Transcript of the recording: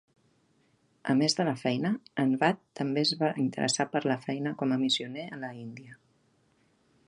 A més de la feina, en Watt també es va interessar per la feina com a missioner a l'índia.